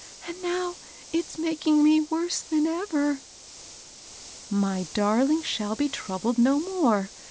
and now it's making me worse than ever." " My darling shall be troubled no more.